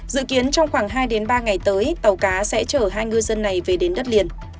dự kiến trong khoảng hai ba ngày tới tàu cá sẽ chở hai ngư dân này về đến đất liền